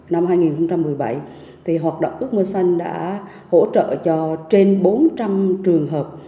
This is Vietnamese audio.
năm hai nghìn một mươi bảy hoạt động ước mơ xanh đã hỗ trợ cho trên bốn trăm linh trường hợp